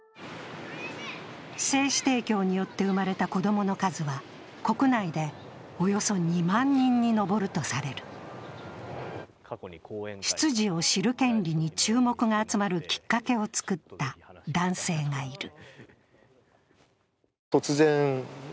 精子提供によって生まれた子供の数は、国内でおよそ２万人に上るとされる出自を知る権利に注目が集まるきっかけをつくった男性がいる。